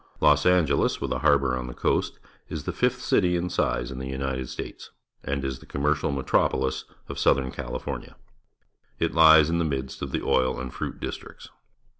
Los Angeles, with a harbour on the coast, is the fifth city in size in the L'nited States, and is the commercial metropoUs of Southern Cali fornia. It hes in the midst of the oil and fruit districts.